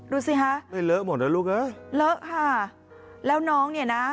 ดูสิฮะไม่เลอะหมดนะลูกเอ้ยเลอะค่ะแล้วน้องเนี่ยนะ